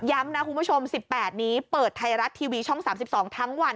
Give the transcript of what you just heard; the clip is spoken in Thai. นะคุณผู้ชม๑๘นี้เปิดไทยรัฐทีวีช่อง๓๒ทั้งวัน